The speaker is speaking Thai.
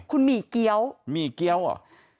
คุณหมี่เกี้ยวหมี่เกี้ยวเหรอ